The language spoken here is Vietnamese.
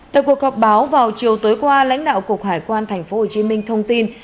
tại cuộc họp báo vào chiều tối qua lãnh đạo cục hải quan tp hcm thông tin